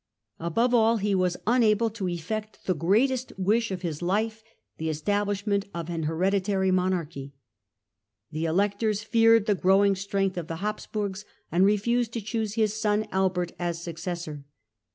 Above all, he was unable to effect the great est wish of his life, the establishment of an hereditary monarchy. The Electors feared the growing strength of the Habsburgs and refused to choose his son Albert as successor.